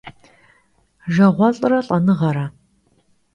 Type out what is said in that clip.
Jjağuelh're lh'enığere.